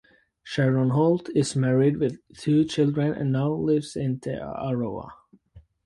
Sharon Holt is married with two children and now lives in Te Aroha.